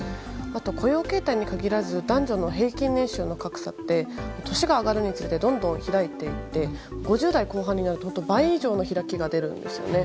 雇用形態に限らず男女の平均年収の格差は年が上がるにつれてどんどん開いていって５０代後半になると倍以上の開きが出るんですよね。